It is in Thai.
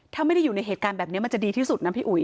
ถ้าไม่ได้อยู่ในเหตุการณ์แบบนี้มันจะดีที่สุดนะพี่อุ๋ย